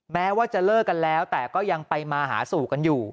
แม้ว่าจะเลิกกันแล้วแต่ก็ยังไปมาหาสู่กันอยู่